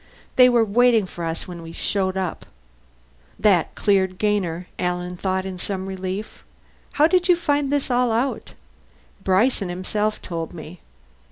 They were waiting for us when we showed up." That cleared Gainer, Alan thought in some relief. "How did you find all this out?" "Bryson himself told me."